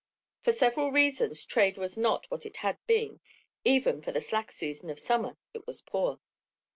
For several reasons trade was not what it had been, even for the slack season of summer it was poor.